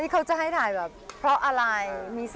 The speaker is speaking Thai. เขาจะให้ถ่ายแบบเพราะอะไร